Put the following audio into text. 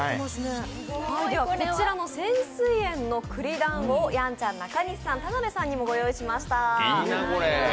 こちらの泉水園の栗だんごをやんちゃん、中西さん、田辺さんにもご用意しました。